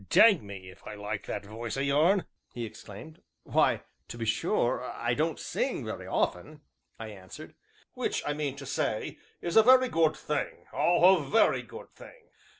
"Dang me if I like that voice o' yourn!" he exclaimed. "Why, to be sure, I don't sing very often," I answered. "Which, I mean to say, is a very good thing; ah! a very good thing!"